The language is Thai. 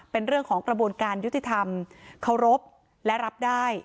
เป็นเรื่องของกระบวนการยุติธรรมเคารพและรับได้